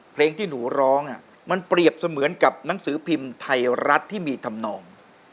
เพลงที่หนูร้องมันเปรียบเสมือนกับหนังสือพิมพ์ไทยรัฐที่มีธรรมนอง